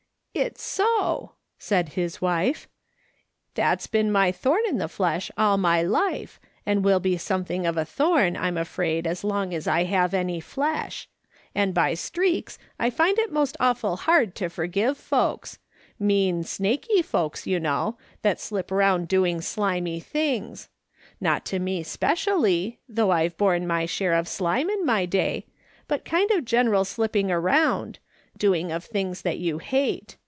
" It's so," said his wife. " That's been my thorn in the flesh all my life, and will be something of a thorn, I'm afraid, as long as I have any flesh ; and by streaks I find it most awful hard to forgive folks ; mean, snakey folks, you know, that slip around doing slimy things. Not to me specially, though I've borne my share of slime in my day, but kind of general slipping around, doing of things that you hate.